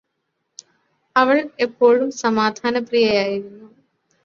അവള് എപ്പോഴും സമാധാനപ്രിയയായിരുന്നു